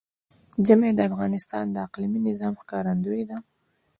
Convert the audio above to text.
ژمی د افغانستان د اقلیمي نظام ښکارندوی ده.